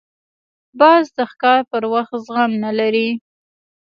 باز د ښکار پر وخت زغم نه لري